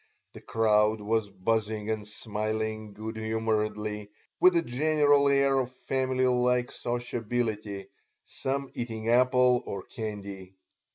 The crowd was buzzing and smiling good humoredly, with a general air of family like sociability, some eating apple or candy.